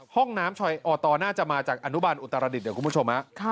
ห้องน้ำชายอตน่าจะมาจากอนุบาลอุตรดิษฐ์คุณผู้ชม